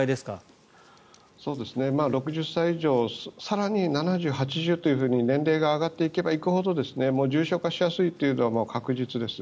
更に７０、８０と年齢が上がっていけばいくほど重症化しやすいというのは確実です。